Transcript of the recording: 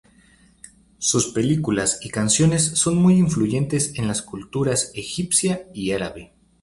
Sus películas y canciones son muy influyentes en las culturas egipcia y árabe.